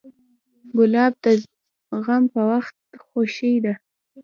ګلاب د غم په وخت خوښي ده.